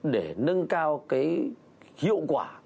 để nâng cao cái hiệu quả